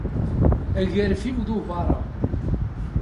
Agerfiw d ubareɣ.